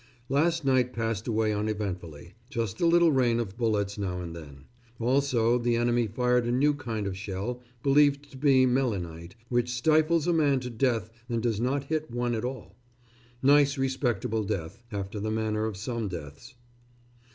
Last night passed away uneventfully. Just a little rain of bullets now and then. Also the enemy fired a new kind of shell, believed to be melinite, which stifles a man to death and does not hit one at all. Nice respectable death, after the manner of some deaths!